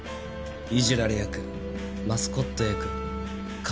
いじられ役マスコット役数合わせ。